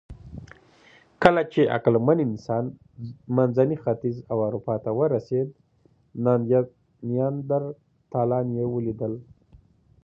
کله چې عقلمن انسان منځني ختیځ او اروپا ته ورسېد، نیاندرتالان یې ولیدل.